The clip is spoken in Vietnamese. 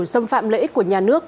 xâm phạm lợi ích của nhà nước